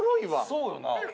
そうよな。